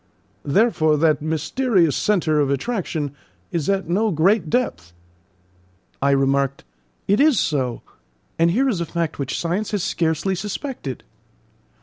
Therefore that mysterious centre of attraction is at no great depth." I remarked: "It is so; and here is a fact which science has scarcely suspected."